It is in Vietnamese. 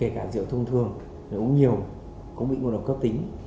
cả rượu thông thường nếu uống nhiều cũng bị ngộ độc cấp tính